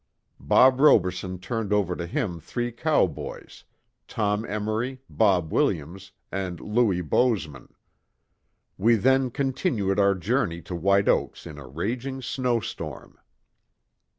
Bob Roberson turned over to him three cowboys, Tom Emmory, Bob Williams, and Louis Bozeman. We then continued our journey to White Oaks in a raging snow storm.